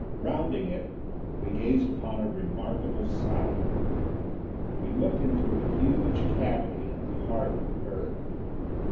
Rounding it, we gazed upon a remarkable sight. We looked into a huge cavity in the heart of the earth.